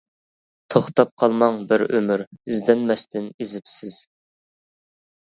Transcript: توختاپ قالماڭ بىر ئۆمۈر، ئىزدەنمەستىن ئېزىپسىز.